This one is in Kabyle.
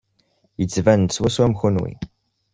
Yettban-d swaswa am kenwi.